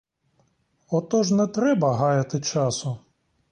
Отож не треба гаяти часу.